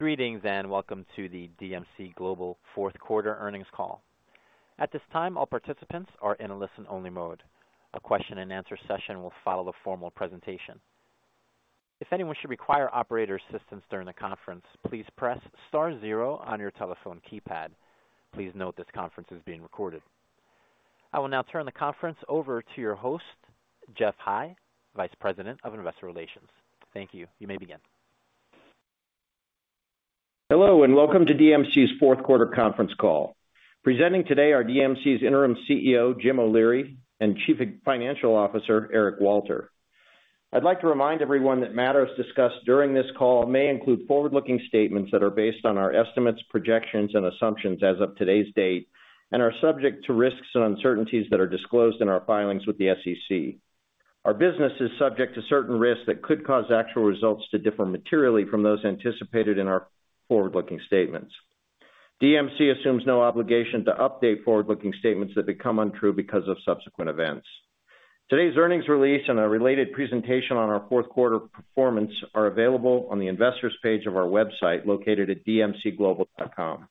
Greetings and welcome to the DMC Global fourth quarter earnings call. At this time, all participants are in a listen-only mode. A question-and-answer session will follow the formal presentation. If anyone should require operator assistance during the conference, please press star zero on your telephone keypad. Please note this conference is being recorded. I will now turn the conference over to your host, Geoff High, Vice President of Investor Relations. Thank you. You may begin. Hello and welcome to DMC Global's fourth quarter conference call. Presenting today are DMC Global's Interim CEO, Jim O'Leary, and Chief Financial Officer, Eric Walter. I'd like to remind everyone that matters discussed during this call may include forward-looking statements that are based on our estimates, projections, and assumptions as of today's date, and are subject to risks and uncertainties that are disclosed in our filings with the SEC. Our business is subject to certain risks that could cause actual results to differ materially from those anticipated in our forward-looking statements. DMC Global assumes no obligation to update forward-looking statements that become untrue because of subsequent events. Today's earnings release and a related presentation on our fourth quarter performance are available on the investors' page of our website located at dmcglobal.com.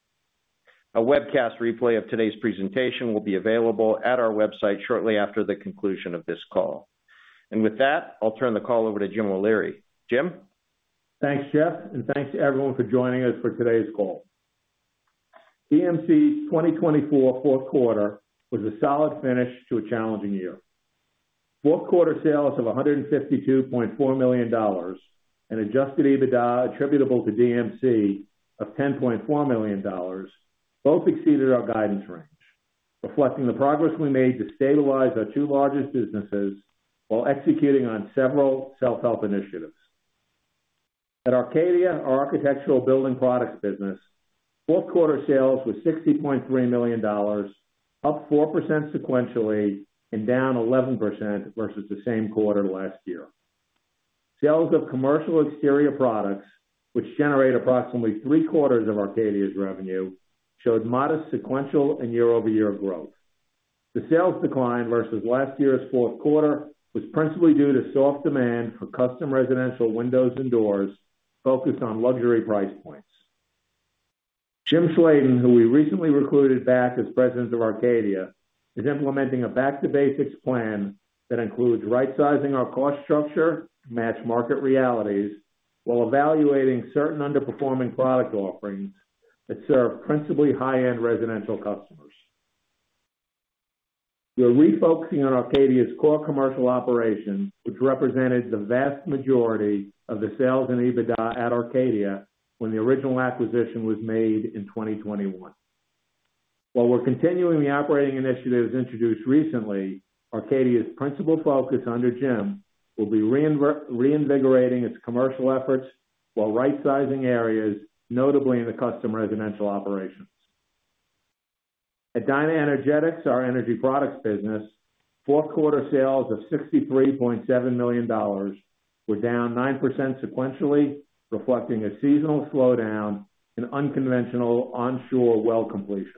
A webcast replay of today's presentation will be available at our website shortly after the conclusion of this call. With that, I'll turn the call over to Jim O'Leary. Jim? Thanks, Geoff, and thanks to everyone for joining us for today's call. DMC's 2024 fourth quarter was a solid finish to a challenging year. Fourth-quarter sales of $152.4 million and adjusted EBITDA attributable to DMC of $10.4 million both exceeded our guidance range, reflecting the progress we made to stabilize our two largest businesses while executing on several self-help initiatives. At Arcadia, our architectural building products business, fourth-quarter sales were $60.3 million, up 4% sequentially and down 11% versus the same quarter last year. Sales of commercial exterior products, which generate approximately three-quarters of Arcadia's revenue, showed modest sequential and year-over-year growth. The sales decline versus last year's fourth quarter was principally due to soft demand for custom residential windows and doors focused on luxury price points. Jim Schladen, who we recently recruited back as President of Arcadia, is implementing a back-to-basics plan that includes right-sizing our cost structure to match market realities while evaluating certain underperforming product offerings that serve principally high-end residential customers. We're refocusing on Arcadia's core commercial operations, which represented the vast majority of the sales and EBITDA at Arcadia when the original acquisition was made in 2021. While we're continuing the operating initiatives introduced recently, Arcadia's principal focus under Jim will be reinvigorating its commercial efforts while right-sizing areas, notably in the custom residential operations. At DynaEnergetics, our energy products business, fourth quarter sales of $63.7 million were down 9% sequentially, reflecting a seasonal slowdown and unconventional onshore well completions.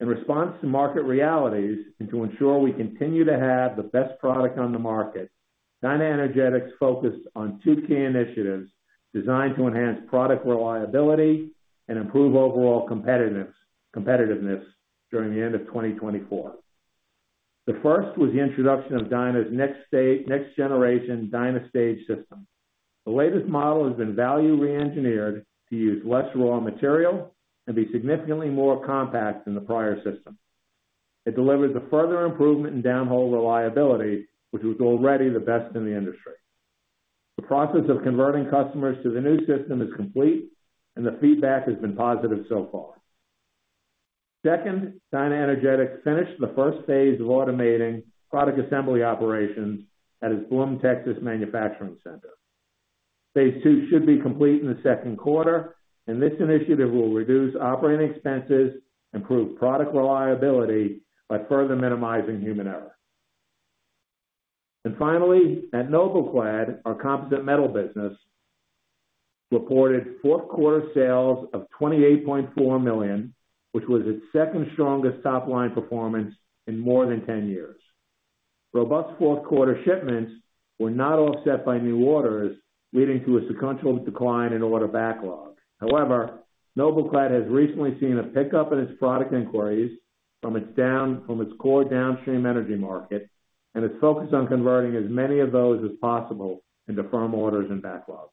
In response to market realities and to ensure we continue to have the best product on the market, DynaEnergetics focused on two key initiatives designed to enhance product reliability and improve overall competitiveness during the end of 2024. The first was the introduction of Dyna's next generation DynaStage system. The latest model has been value re-engineered to use less raw material and be significantly more compact than the prior system. It delivers a further improvement in downhole reliability, which was already the best in the industry. The process of converting customers to the new system is complete, and the feedback has been positive so far. Second, DynaEnergetics finished the first phase of automating product assembly operations at its Bloom, Texas manufacturing center. Phase two should be complete in the second quarter, and this initiative will reduce operating expenses, improve product reliability by further minimizing human error. Finally, at NobelClad, our composite metal business reported fourth quarter sales of $28.4 million, which was its second strongest top-line performance in more than 10 years. Robust fourth quarter shipments were not offset by new orders, leading to a sequential decline in order backlog. However, NobelClad has recently seen a pickup in its product inquiries from its core downstream energy market and is focused on converting as many of those as possible into firm orders and backlog.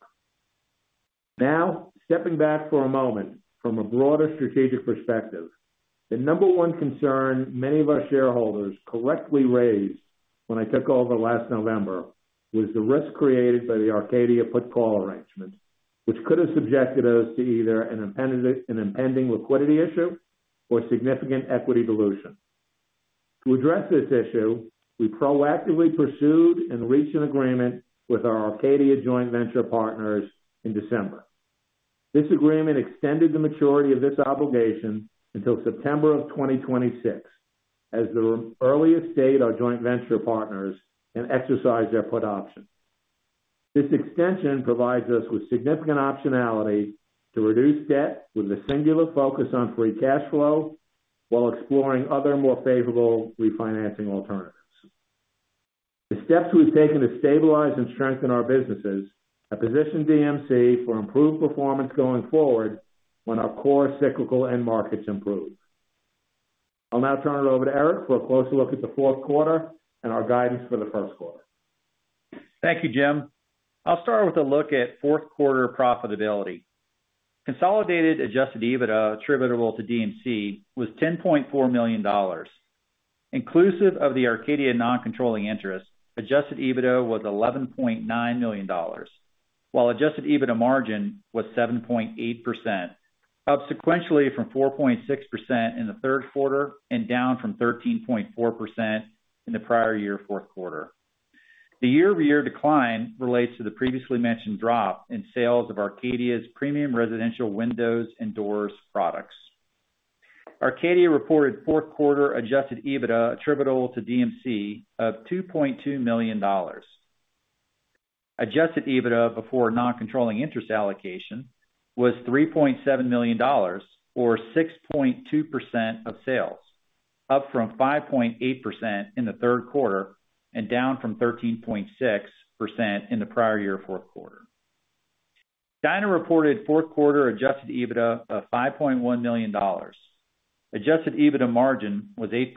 Now, stepping back for a moment from a broader strategic perspective, the number one concern many of our shareholders correctly raised when I took over last November was the risk created by the Arcadia put-call arrangement, which could have subjected us to either an impending liquidity issue or significant equity dilution. To address this issue, we proactively pursued and reached an agreement with our Arcadia joint venture partners in December. This agreement extended the maturity of this obligation until September of 2026, as the earliest date our joint venture partners can exercise their put option. This extension provides us with significant optionality to reduce debt with a singular focus on free cash flow while exploring other more favorable refinancing alternatives. The steps we've taken to stabilize and strengthen our businesses have positioned DMC Global for improved performance going forward when our core cyclical end markets improve. I'll now turn it over to Eric for a closer look at the fourth quarter and our guidance for the first quarter. Thank you, Jim. I'll start with a look at fourth quarter profitability. Consolidated adjusted EBITDA attributable to DMC was $10.4 million. Inclusive of the Arcadia non-controlling interest, adjusted EBITDA was $11.9 million, while adjusted EBITDA margin was 7.8%, up sequentially from 4.6% in the third quarter and down from 13.4% in the prior year fourth quarter. The year-over-year decline relates to the previously mentioned drop in sales of Arcadia's premium residential windows and doors products. Arcadia reported fourth quarter adjusted EBITDA attributable to DMC of $2.2 million. Adjusted EBITDA before non-controlling interest allocation was $3.7 million, or 6.2% of sales, up from 5.8% in the third quarter and down from 13.6% in the prior year fourth quarter. Dyna reported fourth quarter adjusted EBITDA of $5.1 million. Adjusted EBITDA margin was 8%,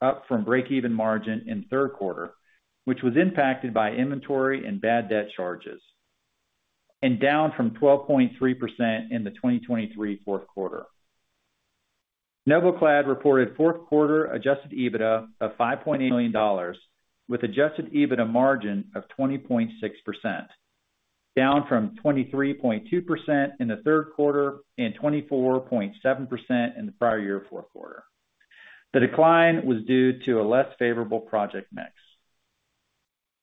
up from break-even margin in third quarter, which was impacted by inventory and bad debt charges, and down from 12.3% in the 2023 fourth quarter. NobelClad reported fourth-quarter adjusted EBITDA of $5.8 million, with adjusted EBITDA margin of 20.6%, down from 23.2% in the third quarter and 24.7% in the prior year fourth quarter. The decline was due to a less favorable project mix.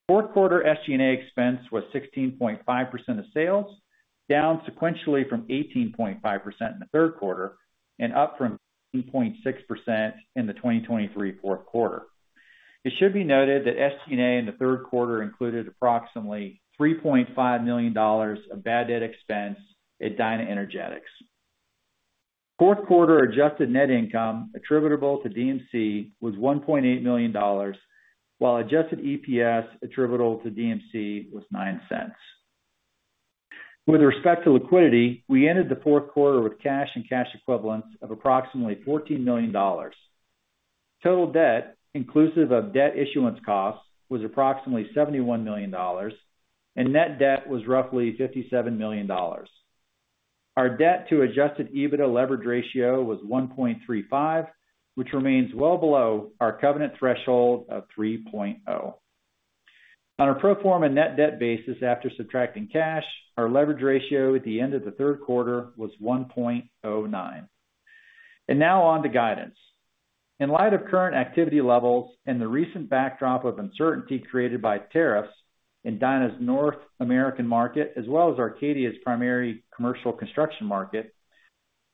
Fourth-quarter SG&A expense was 16.5% of sales, down sequentially from 18.5% in the third quarter and up from 18.6% in the 2023 fourth quarter. It should be noted that SG&A in the third quarter included approximately $3.5 million of bad debt expense at DynaEnergetics. Fourth-quarter adjusted net income attributable to DMC was $1.8 million, while adjusted EPS attributable to DMC was $0.09. With respect to liquidity, we ended the fourth quarter with cash and cash equivalents of approximately $14 million. Total debt, inclusive of debt issuance costs, was approximately $71 million, and net debt was roughly $57 million. Our debt-to-adjusted EBITDA leverage ratio was 1.35, which remains well below our covenant threshold of 3.0. On a pro forma net debt basis after subtracting cash, our leverage ratio at the end of the third quarter was 1.09. Now on to guidance. In light of current activity levels and the recent backdrop of uncertainty created by tariffs in Dyna's North American market, as well as Arcadia's primary commercial construction market,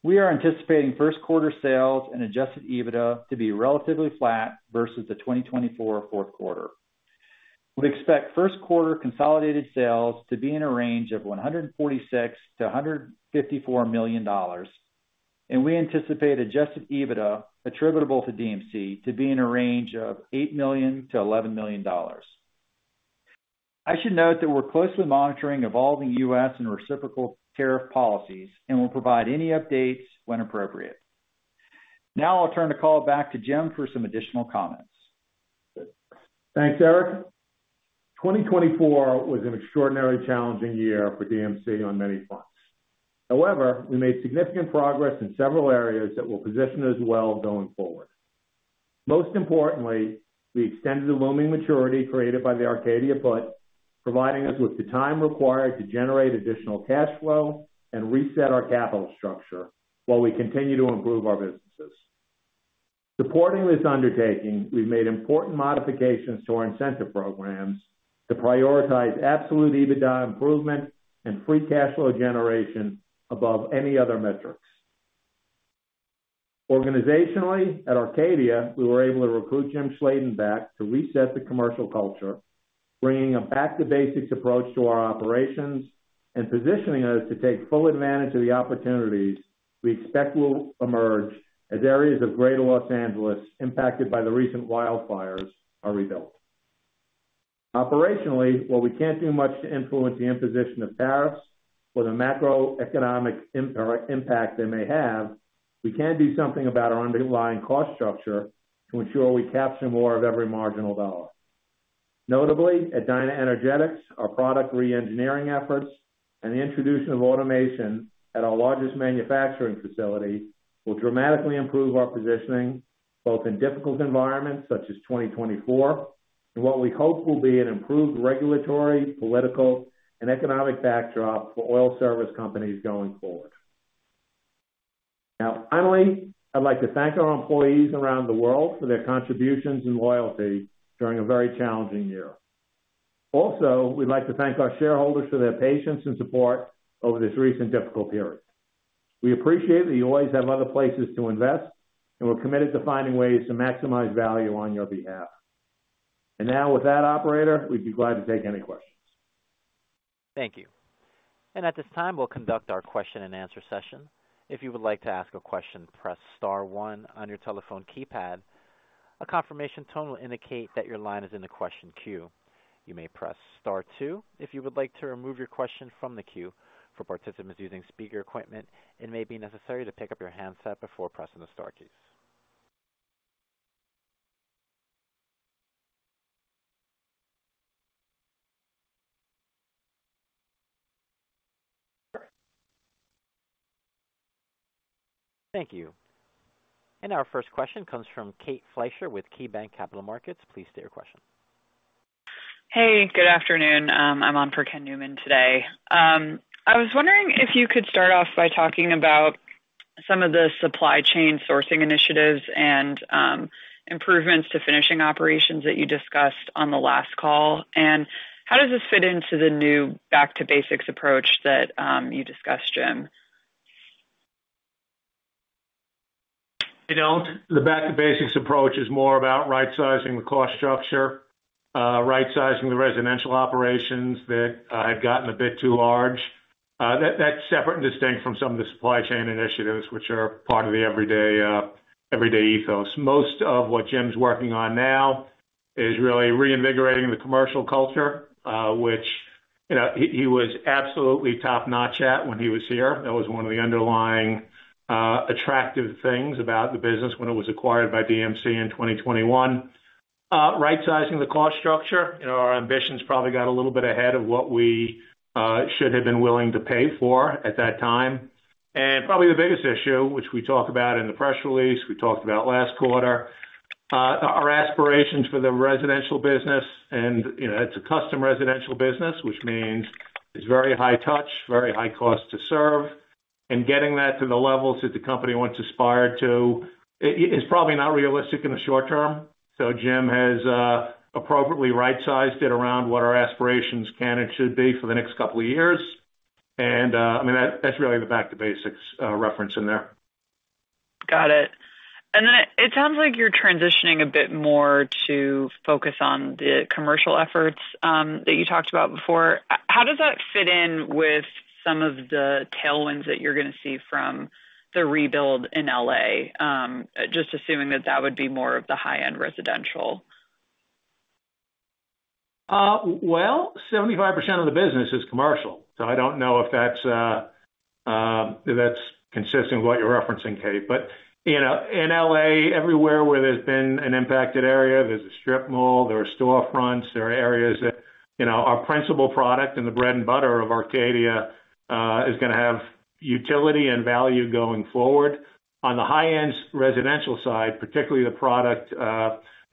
we are anticipating first quarter sales and adjusted EBITDA to be relatively flat versus the 2024 fourth quarter. We expect first quarter consolidated sales to be in a range of $146-$154 million, and we anticipate adjusted EBITDA attributable to DMC to be in a range of $8 million-$11 million. I should note that we're closely monitoring evolving U.S. and reciprocal tariff policies and will provide any updates when appropriate. Now I'll turn the call back to Jim for some additional comments. Thanks, Eric. 2024 was an extraordinarily challenging year for DMC on many fronts. However, we made significant progress in several areas that will position us well going forward. Most importantly, we extended the looming maturity created by the Arcadia put, providing us with the time required to generate additional cash flow and reset our capital structure while we continue to improve our businesses. Supporting this undertaking, we've made important modifications to our incentive programs to prioritize absolute EBITDA improvement and free cash flow generation above any other metrics. Organizationally, at Arcadia, we were able to recruit Jim Schladen back to reset the commercial culture, bringing a back-to-basics approach to our operations and positioning us to take full advantage of the opportunities we expect will emerge as areas of greater Los Angeles impacted by the recent wildfires are rebuilt. Operationally, while we can't do much to influence the imposition of tariffs or the macroeconomic impact they may have, we can do something about our underlying cost structure to ensure we capture more of every marginal dollar. Notably, at DynaEnergetics, our product re-engineering efforts and the introduction of automation at our largest manufacturing facility will dramatically improve our positioning both in difficult environments such as 2024 and what we hope will be an improved regulatory, political, and economic backdrop for oil service companies going forward. Now, finally, I'd like to thank our employees around the world for their contributions and loyalty during a very challenging year. Also, we'd like to thank our shareholders for their patience and support over this recent difficult period. We appreciate that you always have other places to invest and we're committed to finding ways to maximize value on your behalf. Now, with that, operator, we'd be glad to take any questions. Thank you. At this time, we'll conduct our question-and-answer session. If you would like to ask a question, press star one on your telephone keypad. A confirmation tone will indicate that your line is in the question queue. You may press star two if you would like to remove your question from the queue. For participants using speaker equipment, it may be necessary to pick up your handset before pressing the star keys. Thank you. Our first question comes from Katie Fleischer with KeyBank Capital Markets. Please state your question. Hey, good afternoon. I'm on for Ken Newman today. I was wondering if you could start off by talking about some of the supply chain sourcing initiatives and improvements to finishing operations that you discussed on the last call. How does this fit into the new back-to-basics approach that you discussed, Jim? The back-to-basics approach is more about right-sizing the cost structure, right-sizing the residential operations that had gotten a bit too large. That is separate and distinct from some of the supply chain initiatives, which are part of the everyday ethos. Most of what Jim is working on now is really reinvigorating the commercial culture, which he was absolutely top-notch at when he was here. That was one of the underlying attractive things about the business when it was acquired by DMC in 2021. Right-sizing the cost structure. Our ambitions probably got a little bit ahead of what we should have been willing to pay for at that time. Probably the biggest issue, which we talked about in the press release, we talked about last quarter, are aspirations for the residential business. It is a custom residential business, which means it is very high touch, very high cost to serve. Getting that to the levels that the company once aspired to is probably not realistic in the short term. Jim has appropriately right-sized it around what our aspirations can and should be for the next couple of years. I mean, that's really the back-to-basics reference in there. Got it. It sounds like you're transitioning a bit more to focus on the commercial efforts that you talked about before. How does that fit in with some of the tailwinds that you're going to see from the rebuild in Los Angeles, just assuming that that would be more of the high-end residential? Seventy-five percent of the business is commercial. I do not know if that is consistent with what you are referencing, Katie. In Los Angeles, everywhere where there has been an impacted area, there is a strip mall, there are storefronts, there are areas that our principal product and the bread and butter of Arcadia is going to have utility and value going forward. On the high-end residential side, particularly the product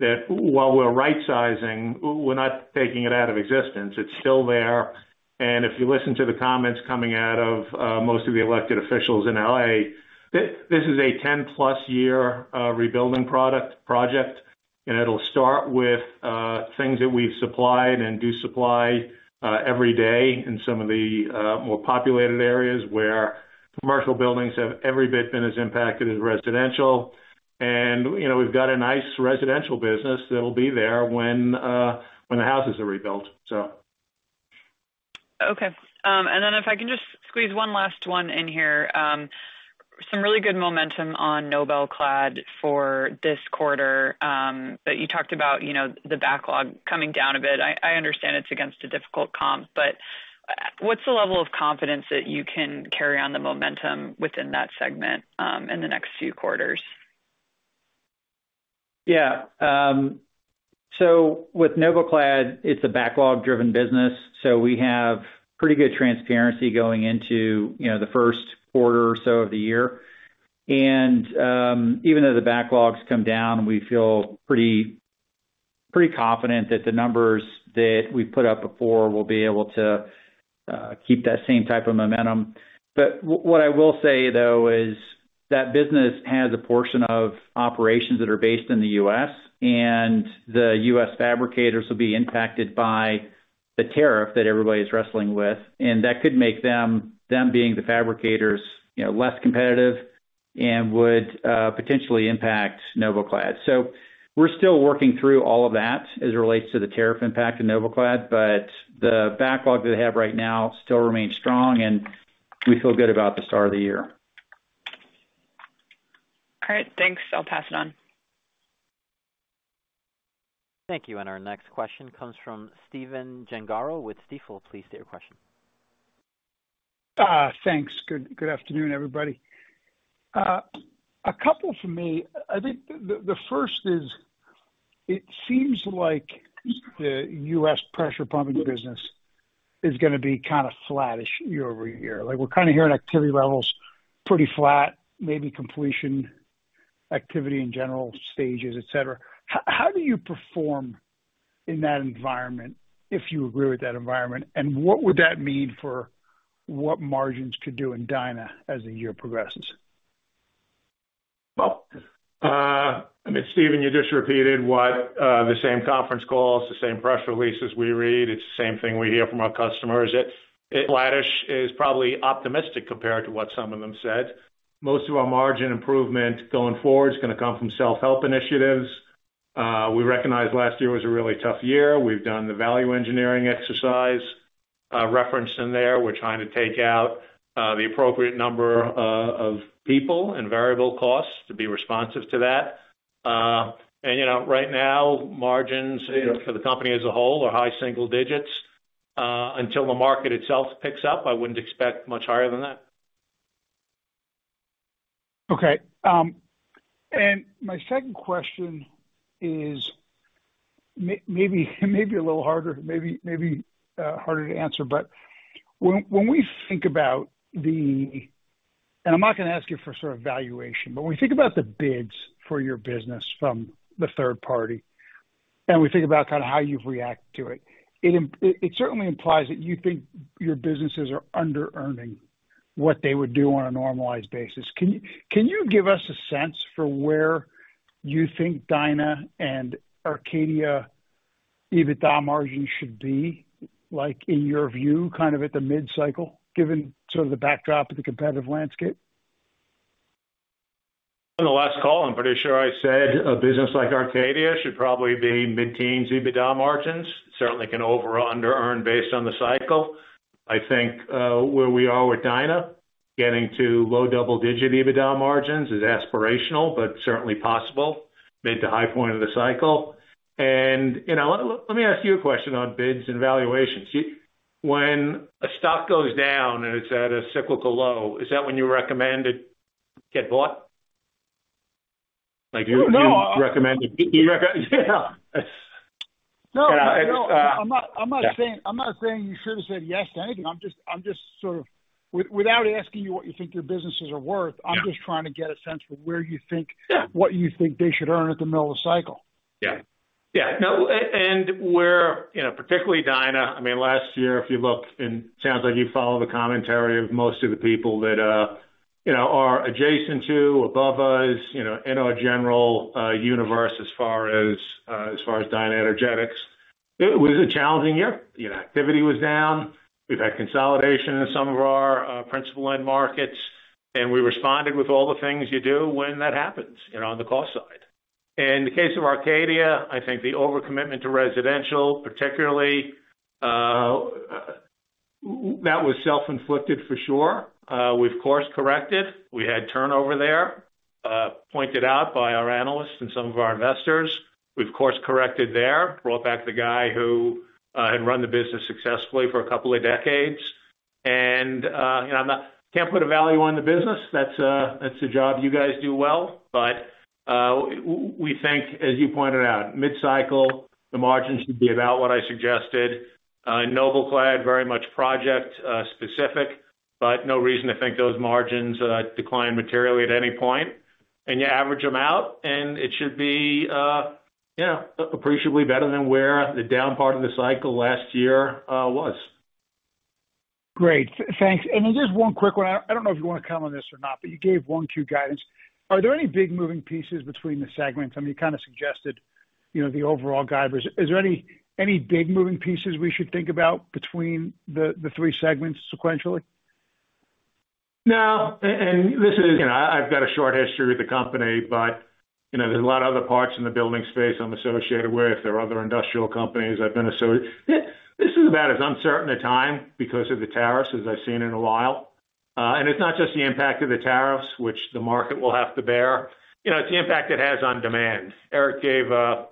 that, while we are right-sizing, we are not taking it out of existence. It is still there. If you listen to the comments coming out of most of the elected officials in Los Angeles, this is a 10-plus year rebuilding project. It will start with things that we have supplied and do supply every day in some of the more populated areas where commercial buildings have every bit been as impacted as residential. We have a nice residential business that will be there when the houses are rebuilt. Okay. If I can just squeeze one last one in here, some really good momentum on NobelClad for this quarter that you talked about, the backlog coming down a bit. I understand it's against a difficult comp, but what's the level of confidence that you can carry on the momentum within that segment in the next few quarters? Yeah. With NobelClad, it's a backlog-driven business. We have pretty good transparency going into the first quarter or so of the year. Even though the backlog has come down, we feel pretty confident that the numbers that we've put up before will be able to keep that same type of momentum. What I will say, though, is that business has a portion of operations that are based in the U.S., and the U.S. fabricators will be impacted by the tariff that everybody's wrestling with. That could make them, them being the fabricators, less competitive and would potentially impact NobelClad. We're still working through all of that as it relates to the tariff impact on NobelClad, but the backlog that they have right now still remains strong, and we feel good about the start of the year. All right. Thanks. I'll pass it on. Thank you. Our next question comes from Stephen Gengaro with Stifel. Please state your question. Thanks. Good afternoon, everybody. A couple for me. I think the first is it seems like the U.S. pressure pumping business is going to be kind of flattish year over year. We're kind of hearing activity levels pretty flat, maybe completion activity in general stages, etc. How do you perform in that environment, if you agree with that environment? And what would that mean for what margins could do in Dyna as the year progresses? I mean, Stephen, you just repeated the same conference calls, the same press releases we read. It's the same thing we hear from our customers. It's flattish is probably optimistic compared to what some of them said. Most of our margin improvement going forward is going to come from self-help initiatives. We recognize last year was a really tough year. We've done the value engineering exercise referenced in there, which is trying to take out the appropriate number of people and variable costs to be responsive to that. Right now, margins for the company as a whole are high single digits. Until the market itself picks up, I wouldn't expect much higher than that. Okay. My second question is maybe a little harder, maybe harder to answer. When we think about the—and I'm not going to ask you for sort of valuation—when we think about the bids for your business from the third party, and we think about kind of how you've reacted to it, it certainly implies that you think your businesses are under-earning what they would do on a normalized basis. Can you give us a sense for where you think Dyna and Arcadia EBITDA margins should be, in your view, kind of at the mid-cycle, given sort of the backdrop of the competitive landscape? On the last call, I'm pretty sure I said a business like Arcadia should probably be mid-teens EBITDA margins, certainly can over or under-earn based on the cycle. I think where we are with Dyna, getting to low double-digit EBITDA margins is aspirational, but certainly possible, mid to high point of the cycle. Let me ask you a question on bids and valuations. When a stock goes down and it's at a cyclical low, is that when you recommend it get bought? Like you recommend it? No. I'm not saying you should have said yes to anything. I'm just sort of, without asking you what you think your businesses are worth, I'm just trying to get a sense for where you think what you think they should earn at the middle of the cycle. Yeah. Yeah. Particularly Dyna, I mean, last year, if you look, and it sounds like you follow the commentary of most of the people that are adjacent to, above us, in our general universe as far as DynaEnergetics, it was a challenging year. Activity was down. We've had consolidation in some of our principal end markets. We responded with all the things you do when that happens on the cost side. In the case of Arcadia, I think the overcommitment to residential, particularly, that was self-inflicted for sure. We, of course, corrected. We had turnover there, pointed out by our analysts and some of our investors. We, of course, corrected there, brought back the guy who had run the business successfully for a couple of decades. I can't put a value on the business. That's a job you guys do well. We think, as you pointed out, mid-cycle, the margins should be about what I suggested. NobelClad, very much project-specific, but no reason to think those margins decline materially at any point. You average them out, and it should be appreciably better than where the down part of the cycle last year was. Great. Thanks. And then just one quick one. I do not know if you want to comment on this or not, but you gave one-two guidance. Are there any big moving pieces between the segments? I mean, you kind of suggested the overall guidance. Is there any big moving pieces we should think about between the three segments sequentially? No. This is, I've got a short history with the company, but there's a lot of other parts in the building space I'm associated with. There are other industrial companies I've been associated with. This is about as uncertain a time because of the tariffs as I've seen in a while. It's not just the impact of the tariffs, which the market will have to bear. It's the impact it has on demand. Eric gave the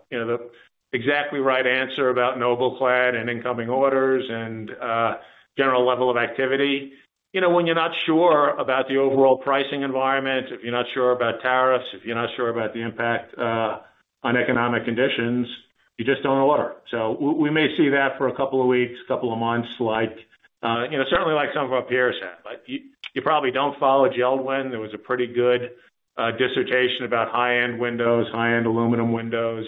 exactly right answer about NobelClad and incoming orders and general level of activity. When you're not sure about the overall pricing environment, if you're not sure about tariffs, if you're not sure about the impact on economic conditions, you just don't order. We may see that for a couple of weeks, a couple of months, certainly like some of our peers have. You probably don't follow JELD-WEN. There was a pretty good dissertation about high-end windows, high-end aluminum windows.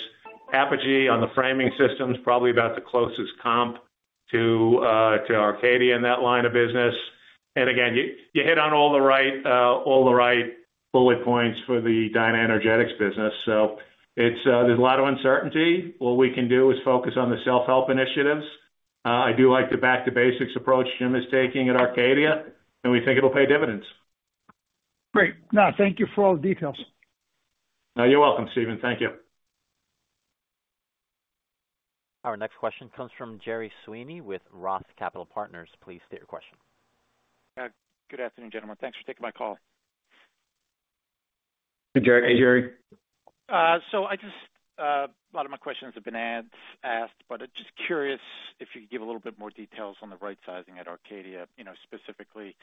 Apogee on the framing systems, probably about the closest comp to Arcadia in that line of business. Again, you hit on all the right bullet points for the DynaEnergetics business. There is a lot of uncertainty. What we can do is focus on the self-help initiatives. I do like the back-to-basics approach Jim is taking at Arcadia, and we think it'll pay dividends. Great. No, thank you for all the details. You're welcome, Stephen. Thank you. Our next question comes from Gerry Sweeney with Roth Capital Partners. Please state your question. Good afternoon, gentlemen. Thanks for taking my call. Hey, Gerry. A lot of my questions have been asked, but I'm just curious if you could give a little bit more details on the right-sizing at Arcadia. Specifically,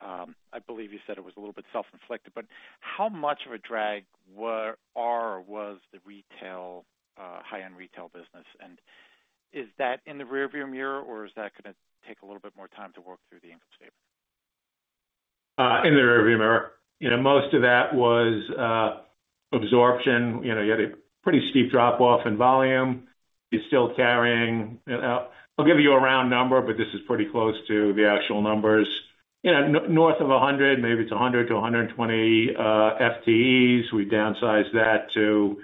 I believe you said it was a little bit self-inflicted, but how much of a drag are or was the high-end retail business? Is that in the rearview mirror, or is that going to take a little bit more time to work through the income statement? In the rearview mirror. Most of that was absorption. You had a pretty steep drop-off in volume. You're still carrying—I'll give you a round number, but this is pretty close to the actual numbers—north of 100, maybe it's 100-120 FTEs. We downsized that to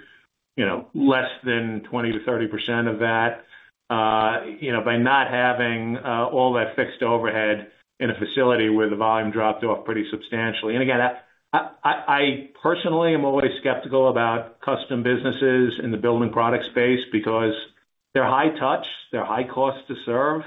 less than 20-30% of that by not having all that fixed overhead in a facility where the volume dropped off pretty substantially. I personally am always skeptical about custom businesses in the building product space because they're high touch. They're high cost to serve.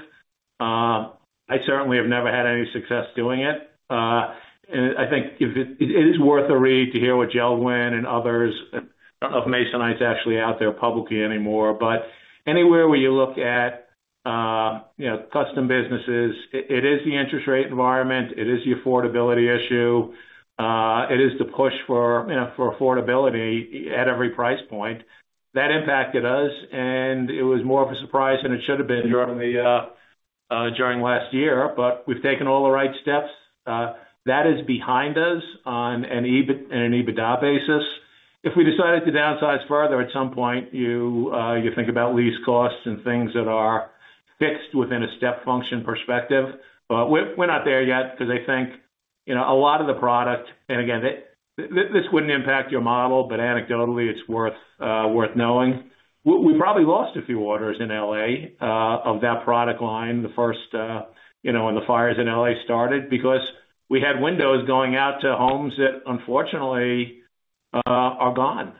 I certainly have never had any success doing it. I think it is worth a read to hear what JELD-WEN and others—I don't know if Masonite's actually out there publicly anymore—but anywhere where you look at custom businesses, it is the interest rate environment. It is the affordability issue. It is the push for affordability at every price point. That impacted us, and it was more of a surprise than it should have been during last year. We have taken all the right steps. That is behind us on an EBITDA basis. If we decided to downsize further at some point, you think about lease costs and things that are fixed within a step function perspective. We are not there yet because I think a lot of the product—and again, this would not impact your model, but anecdotally, it is worth knowing—we probably lost a few orders in Los Angeles of that product line the first when the fires in Los Angeles started because we had windows going out to homes that, unfortunately, are gone.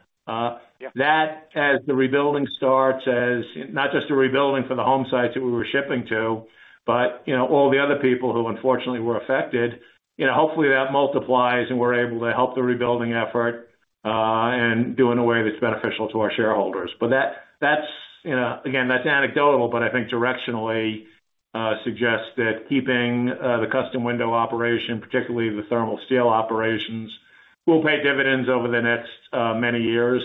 That, as the rebuilding starts, as not just the rebuilding for the home sites that we were shipping to, but all the other people who unfortunately were affected, hopefully, that multiplies and we're able to help the rebuilding effort and do it in a way that's beneficial to our shareholders. That is anecdotal, but I think directionally suggests that keeping the custom window operation, particularly the thermal steel operations, will pay dividends over the next many years.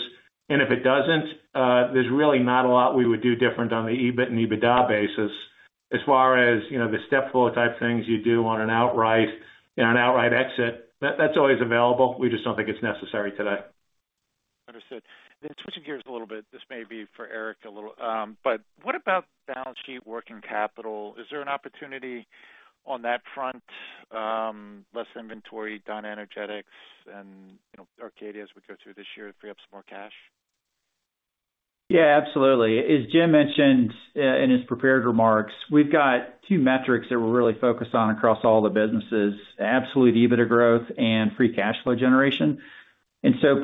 If it doesn't, there's really not a lot we would do different on the EBIT and EBITDA basis as far as the step flow type things you do on an outright exit. That's always available. We just don't think it's necessary today. Understood. Switching gears a little bit. This may be for Eric a little, but what about balance sheet working capital? Is there an opportunity on that front, less inventory, DynaEnergetics, and Arcadia as we go through this year to free up some more cash? Yeah, absolutely. As Jim mentioned in his prepared remarks, we've got two metrics that we're really focused on across all the businesses: absolute EBITDA growth and free cash flow generation.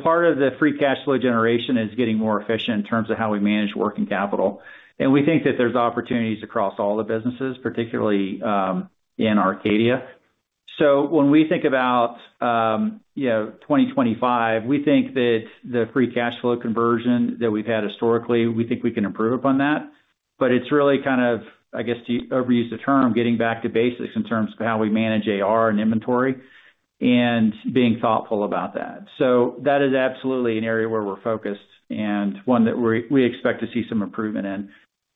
Part of the free cash flow generation is getting more efficient in terms of how we manage working capital. We think that there's opportunities across all the businesses, particularly in Arcadia. When we think about 2025, we think that the free cash flow conversion that we've had historically, we think we can improve upon that. It's really kind of, I guess, to overuse the term, getting back to basics in terms of how we manage AR and inventory and being thoughtful about that. That is absolutely an area where we're focused and one that we expect to see some improvement in.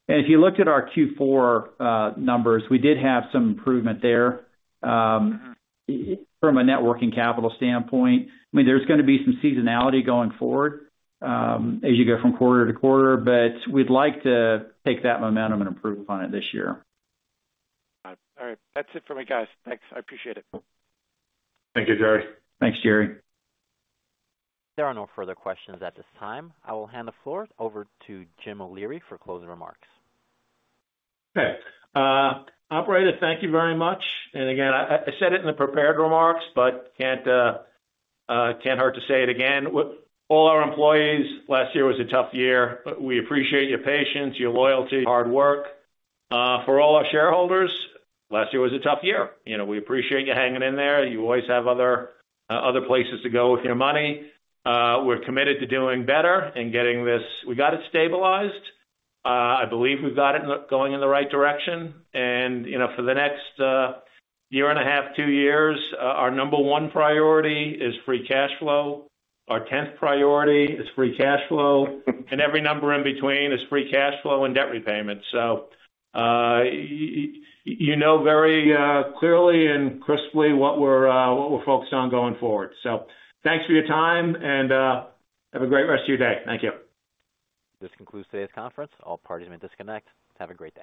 If you looked at our Q4 numbers, we did have some improvement there from a net working capital standpoint. I mean, there's going to be some seasonality going forward as you go from quarter to quarter, but we'd like to take that momentum and improve upon it this year. All right. That's it for me, guys. Thanks. I appreciate it. Thank you, Gerry. Thanks, Gerry. There are no further questions at this time. I will hand the floor over to James O'Leary for closing remarks. Okay. Operator, thank you very much. I said it in the prepared remarks, but can't hurt to say it again. All our employees, last year was a tough year. We appreciate your patience, your loyalty, hard work. For all our shareholders, last year was a tough year. We appreciate you hanging in there. You always have other places to go with your money. We're committed to doing better and getting this—we got it stabilized. I believe we've got it going in the right direction. For the next year and a half, two years, our number one priority is free cash flow. Our tenth priority is free cash flow. Every number in between is free cash flow and debt repayment. You know very clearly and crisply what we're focused on going forward. Thanks for your time, and have a great rest of your day. Thank you. This concludes today's conference. All parties may disconnect. Have a great day.